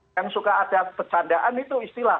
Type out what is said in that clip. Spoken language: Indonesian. yang suka ada pecandaan itu istilah